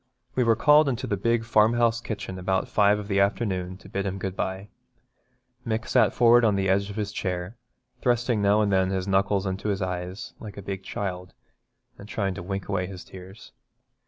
We were called into the big farmhouse kitchen about five of the afternoon to bid him good bye. Mick sat forward on the edge of his chair, thrusting now and then his knuckles into his eyes, like a big child, and trying to wink away his tears.